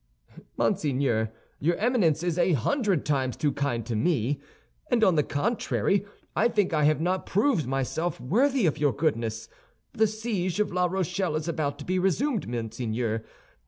"Monseigneur, your Eminence is a hundred times too kind to me; and on the contrary, I think I have not proved myself worthy of your goodness. The siege of La Rochelle is about to be resumed, monseigneur.